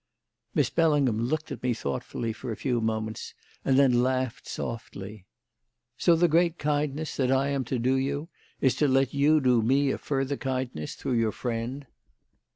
Miss Bellingham looked at me thoughtfully for a few moments, and then laughed softly. "So the great kindness that I am to do you is to let you do me a further kindness through your friend!"